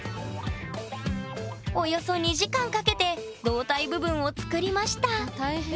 およそ２時間かけて胴体部分を作りました大変。